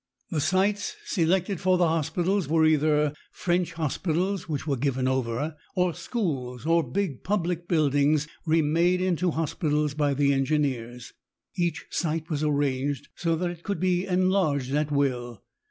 The sites selected for the hospitals were either French hospitals which were given over, or schools or big public buildings remade into hospitals by the engineers. Each site was arranged so that it could be enlarged at will.